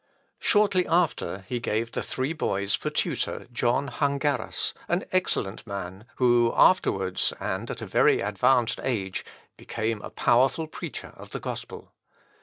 Shortly after he gave the three boys for tutor John Hungarus, an excellent man, who afterwards, and at a very advanced age, became a powerful preacher of the gospel.